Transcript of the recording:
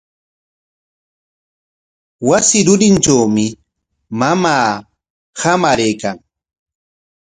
Wasi rurintrawmi mamaa hamaraykan.